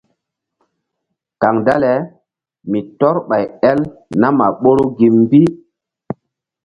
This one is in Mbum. Kaŋ dale mi tɔ́r ɓay el nam a ɓoru gi mbi.